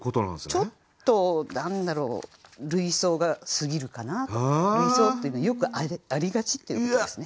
ちょっと何だろう類想が過ぎるかなと思う類想っていうのはよくありがちっていうことですね。